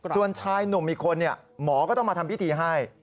ส่วนชายหนุ่มอีกคนหมอก็ต้องมาทำพิธีให้